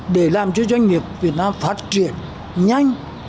để làm cho doanh nghiệp việt nam phát triển nhanh